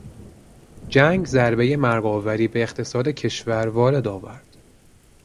جنگ ضربهی مرگ آوری به اقتصاد کشور وارد آورد.